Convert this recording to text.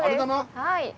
はい。